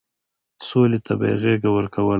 سولې ته به يې غېږه ورکوله.